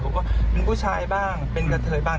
ผมก็เป็นผู้ชายบ้างเป็นกระเทยบ้าง